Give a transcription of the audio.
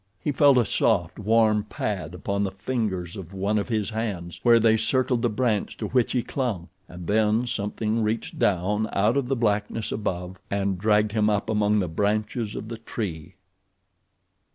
He felt a soft, warm pad upon the fingers of one of his hands where they circled the branch to which he clung, and then something reached down out of the blackness above and dragged him up among the branches of the tree.